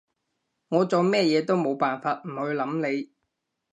我做咩嘢都冇辦法唔去諗你